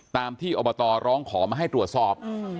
ตามที่อบตร้องขอมาให้ตรวจสอบ